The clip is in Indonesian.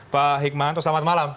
pak hekmahanto selamat malam